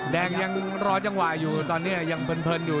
แดงยังรอจังหวะอยู่ตอนนี้ยังเพลินอยู่